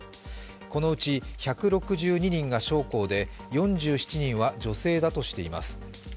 このうち１６２人が将校で４７人は女性だとしています。